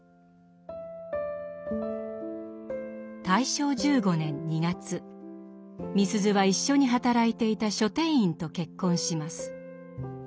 大正１５年２月みすゞは一緒に働いていた書店員と結婚します。